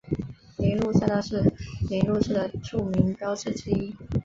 铃鹿赛道是铃鹿市的著名标志之一。